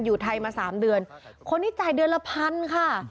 อยู่ไทยมาสามเดือนคนนี้จ่ายเดือนละพันค่ะ